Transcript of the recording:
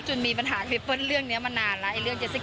จุดมีปัญหาพี่เปิ้ลเลือกเนี้ยมานานแล้ว